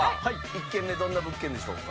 １軒目どんな物件でしょうか？